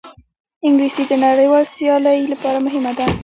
انګلیسي د نړیوال سیالۍ لپاره مهمه ده